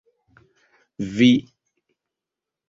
Vi?